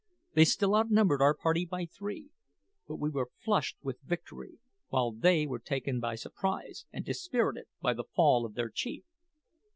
They still outnumbered our party by three; but we were flushed with victory, while they were taken by surprise and dispirited by the fall of their chief.